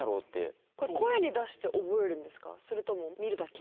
それとも見るだけ？